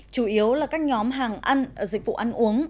chủ yếu là các nhóm hàng ăn dịch vụ ăn uống